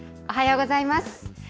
おはようございます。